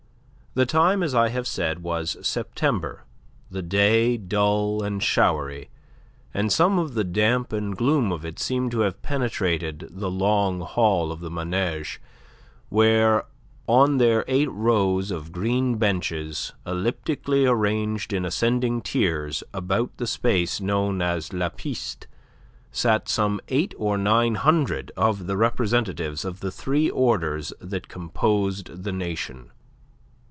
The time, as I have said, was September, the day dull and showery, and some of the damp and gloom of it seemed to have penetrated the long Hall of the Manege, where on their eight rows of green benches elliptically arranged in ascending tiers about the space known as La Piste, sat some eight or nine hundred of the representatives of the three orders that composed the nation.